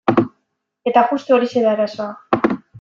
Eta justu horixe da arazoa.